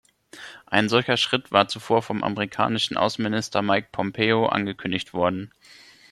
Ein solcher Schritt war zuvor vom amerikanischen Außenminister Mike Pompeo angekündigt worden.